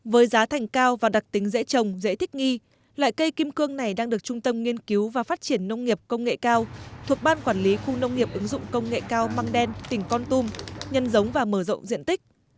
với giá thành cao và đặc tính dễ trồng dễ thích nghi loại cây kim cương này đang được trung tâm nghiên cứu và phát triển nông nghiệp công nghệ cao thuộc ban quản lý khu nông nghiệp ứng dụng công nghệ cao măng đen tỉnh con tum nhân giống và mở rộng diện tích